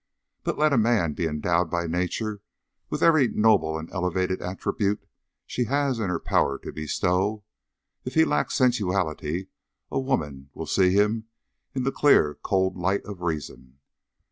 But let a man be endowed by Nature with every noble and elevated attribute she has in her power to bestow, if he lacks sensuality a woman will see him in the clear cold light of reason.